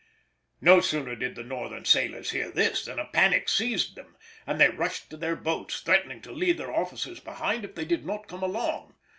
No sooner did the Northern sailors hear this than a panic seized them, and they rushed to their boats, threatening to leave their officers behind if they did not come along.